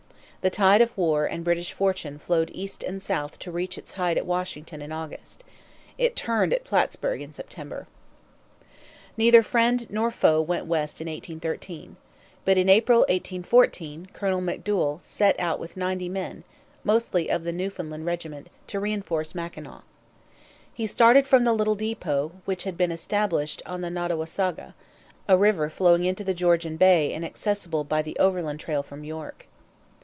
The tide of war and British fortune flowed east and south to reach its height at Washington in August. It turned at Plattsburg in September. Neither friend nor foe went west in 1813. But in April 1814 Colonel McDouall set out with ninety men, mostly of the Newfoundland regiment, to reinforce Mackinaw. He started from the little depot which had been established on the Nottawasaga, a river flowing into the Georgian Bay and accessible by the overland trail from York.